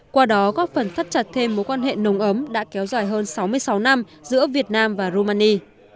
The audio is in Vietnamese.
qua đó góp phần thắt chặt thêm mối quan hệ nồng ấm đã kéo dài hơn sáu mươi sáu năm giữa việt nam và rumani